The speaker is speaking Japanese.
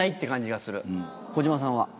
児嶋さんは？